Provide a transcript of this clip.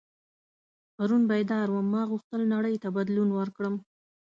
پرون بیدار وم ما غوښتل نړۍ ته بدلون ورکړم.